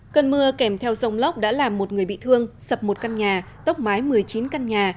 cơn mưa kèm theo dòng lốc đã làm một người bị thương sập một căn nhà tốc mái một mươi chín căn nhà